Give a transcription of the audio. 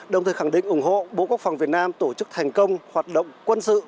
đồng thời khẳng định ủng hộ bộ quốc phòng việt nam tổ chức thành công hoạt động quân sự